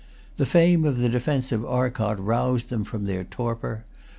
The fame of the defence of Arcot roused them from their torpor.